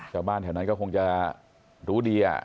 ชาวบ้านแถวนั้นก็คงจะรู้ดี